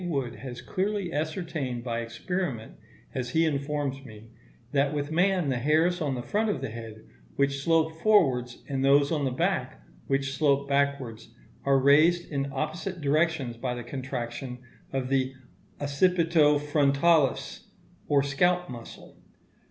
Wood has clearly ascertained by experiment, as he informs me, that with man the hairs on the front of the head which slope forwards, and those on the back which slope backwards, are raised in opposite directions by the contraction of the occipito frontalis or scalp muscle.